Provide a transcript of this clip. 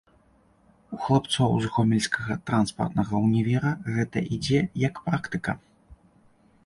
У хлапцоў з гомельскага транспартнага ўнівера гэта ідзе, як практыка.